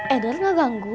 edward gak ganggu